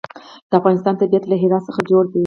د افغانستان طبیعت له هرات څخه جوړ شوی دی.